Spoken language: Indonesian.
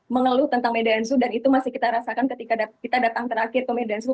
mengeluh tentang medan zoo dan itu masih kita rasakan ketika kita datang terakhir ke medan zoo